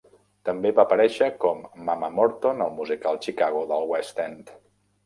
També va aparèixer com Mama Morton al musical "Chicago" del West End.